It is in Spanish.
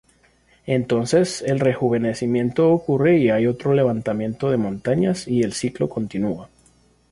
Entonces, el "rejuvenecimiento" ocurre y hay otro levantamiento de montañas y el ciclo continúa.